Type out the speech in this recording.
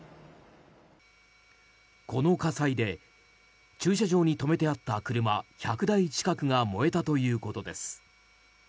この火災で駐車場に止めてあった車１００台近くが燃えたということです。